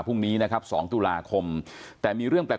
พรุ่งนี้นะครับ๒ตุลาคมแต่มีเรื่องแปลก